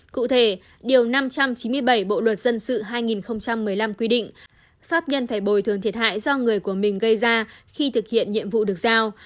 cụ thể điều năm trăm chín mươi bảy bộ luật dân sự hai nghìn một mươi năm quy định pháp nhân phải bồi thường thiệt hại do người của mình gây ra khi thực hiện nhiệm vụ được giao